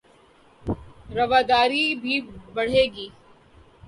رواداری بھی بڑھے گی